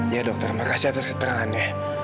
ya dokter makasih atas keterangannya